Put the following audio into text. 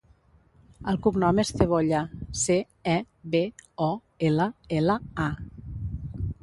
El cognom és Cebolla: ce, e, be, o, ela, ela, a.